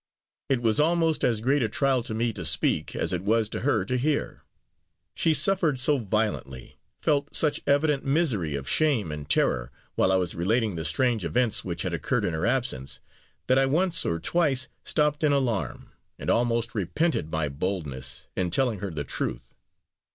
It was almost as great a trial to me to speak as it was to her to hear. She suffered so violently, felt such evident misery of shame and terror, while I was relating the strange events which had occurred in her absence, that I once or twice stopped in alarm, and almost repented my boldness in telling her the truth.